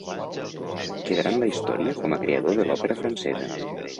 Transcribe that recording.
Quedarà en la història com a creador de l'òpera francesa.